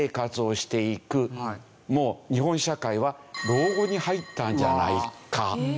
もう日本社会は老後に入ったんじゃないか？